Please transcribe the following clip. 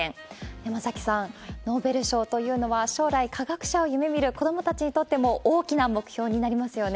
山崎さん、ノーベル賞というのは、将来、科学者を夢みる子どもたちにとっても大きな目標になりますよね。